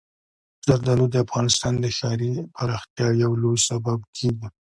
زردالو د افغانستان د ښاري پراختیا یو لوی سبب کېږي.